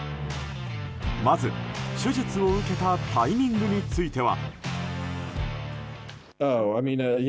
まず、手術を受けたタイミングについては。